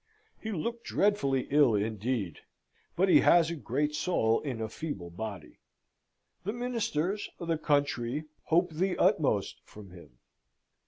He looked dreadfully ill, indeed. But he has a great soul in a feeble body. The ministers, the country hope the utmost from him.